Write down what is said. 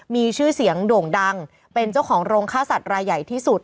มีชื่อเสียงโด่งดังเป็นเจ้าของโรงค่าสัตว์รายใหญ่ที่สุด